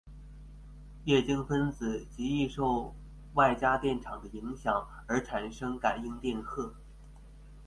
液晶分子极易受外加电场的影响而产生感应电荷。